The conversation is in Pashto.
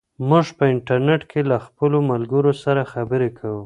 موږ په انټرنیټ کې له خپلو ملګرو سره خبرې کوو.